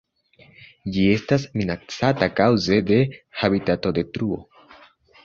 Ĝi estas minacata kaŭze de habitatodetruo.